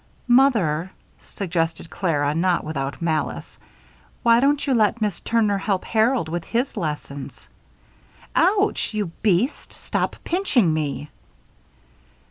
"Mother," suggested Clara, not without malice, "why don't you let Miss Turner help Harold with his lessons ouch! you beast! stop pinching me."